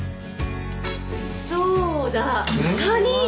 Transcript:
そうだカニ！